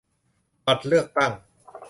บัตรเลือกตั้ง